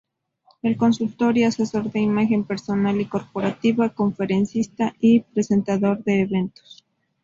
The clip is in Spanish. Es consultor y asesor de imagen personal y corporativa, conferencista y presentador de eventos.